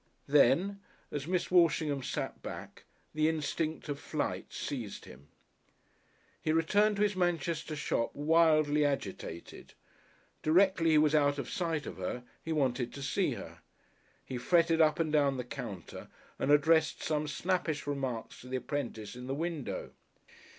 Then, as Miss Walshingham sat back, the instinct of flight seized him.... He returned to his Manchester shop wildly agitated. Directly he was out of sight of her he wanted to see her. He fretted up and down the counter, and addressed some snappish remarks to the apprentice in the window.